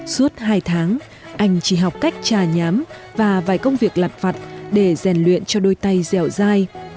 suốt hai tháng anh chỉ học cách trà nhám và vài công việc lặt vặt để rèn luyện cho đôi tay dẻo dai